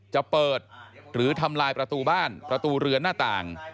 จะเปิดหรือทำลายประตูบ้านประตูเรือนหน้าต่าง